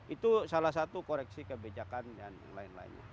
itu salah satu koreksi kebijakan dan lain lainnya